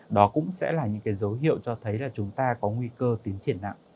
đó cũng sẽ là những cái dấu hiệu cho thấy là chúng ta có nguy cơ tiến triển nặng